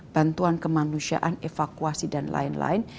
bantuan kemanusiaan evakuasi dan lain lain